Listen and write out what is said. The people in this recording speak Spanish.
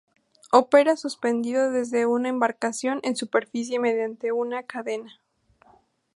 Opera suspendido desde una embarcación en superficie mediante una cadena.